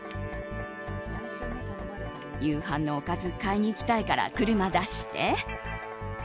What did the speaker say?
夕飯のおかず買いに行きたいから車出して！